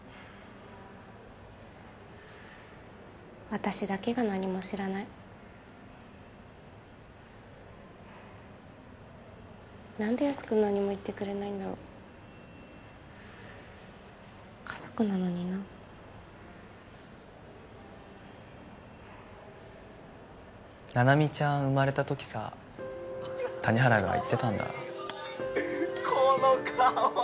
私だけが何も知らない何でヤス君何も言ってくれないんだろ家族なのにな七海ちゃん生まれた時さ谷原が言ってたんだこの顔